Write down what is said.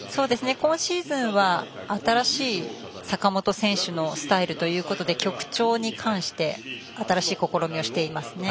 今シーズンは新しい坂本選手のスタイルということで曲調に関して新しい試みをしていますね。